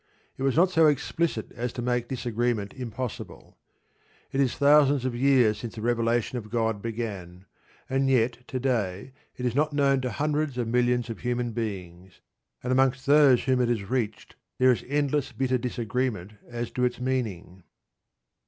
It was not so explicit as to make disagreement impossible. It is thousands of years since the revelation of God began, and yet to day it is not known to hundreds of millions of human beings, and amongst those whom it has reached there is endless bitter disagreement as to its meaning.